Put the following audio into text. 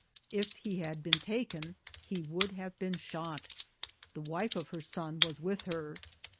t If he had been taken he would have been shot. The wife of her son was with her.